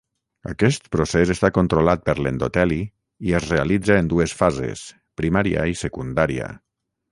Aquest procés està controlat per l'endoteli i es realitza en dues fases: primària i secundària.